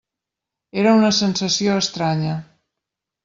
Era una sensació estranya.